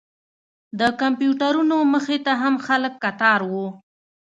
د کمپیوټرونو مخې ته هم خلک کتار و.